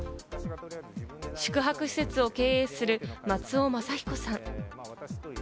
宿泊施設を経営する、松尾政彦さん。